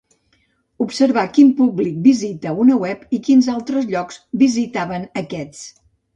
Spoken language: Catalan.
Observar quin públic visita una web i quins altres llocs visitaven aquests.